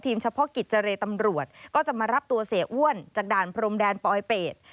เฉพาะกิจเจรตำรวจก็จะมารับตัวเสียอ้วนจากด่านพรมแดนปลอยเป็ด